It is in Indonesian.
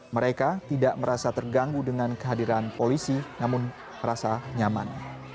mereka tidak merasa terganggu dengan kehadiran polisi namun merasa nyaman